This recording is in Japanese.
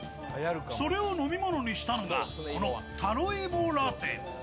それを飲み物にしたのがこのタロイモラテ。